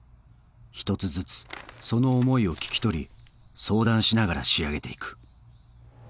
一つずつその思いを聞き取り相談しながら仕上げていく。